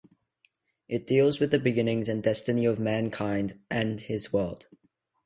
It deals with the beginnings and destiny of mankind and his world.